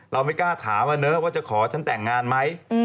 เราไม่กล้าถามว่าจะขอฉันแต่งงานไหม